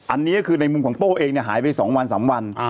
อันนี้ก็คือในมุมของโป้เองเนี่ยหายไปสองวันสามวัน